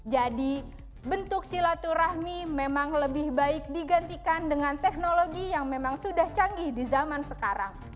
jadi bentuk silaturahmi memang lebih baik digantikan dengan teknologi yang memang sudah canggih di zaman sekarang